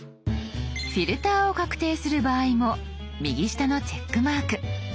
フィルターを確定する場合も右下の「チェックマーク」。